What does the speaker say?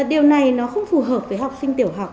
điều này nó không phù hợp với học sinh tiểu học